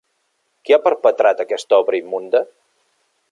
Qui ha perpetrat aquesta obra immunda?